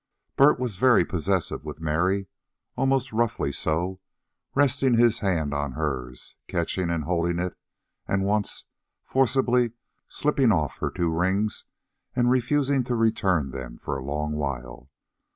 Bert was very possessive with Mary, almost roughly so, resting his hand on hers, catching and holding it, and, once, forcibly slipping off her two rings and refusing to return them for a long while.